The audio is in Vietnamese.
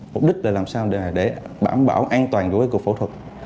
mục đích là làm sao để bảo bảo an toàn của cuộc phẫu thuật